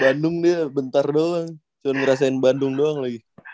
bandung dia bentar doang cuma ngerasain bandung doang lagi